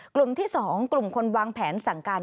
กลุ่มที่๒กลุ่มคนวางแผนสั่งการ